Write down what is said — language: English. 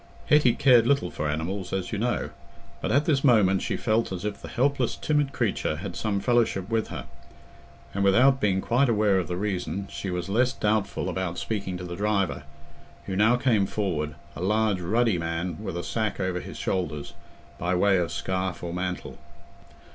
Hetty cared little for animals, as you know, but at this moment she felt as if the helpless timid creature had some fellowship with her, and without being quite aware of the reason, she was less doubtful about speaking to the driver, who now came forward—a large ruddy man, with a sack over his shoulders, by way of scarf or mantle.